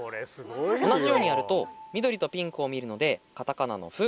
同じようにやると緑とピンクを見るのでカタカナの「フ」。